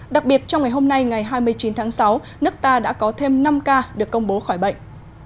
đặc biệt trong ngày hôm nay ngày hai mươi chín tháng sáu nước ta đã có thêm năm ca được công bố khỏi bệnh